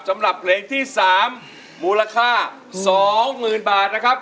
สำหรับเพลงที่๓มูลค่า๒๐๐๐บาทนะครับ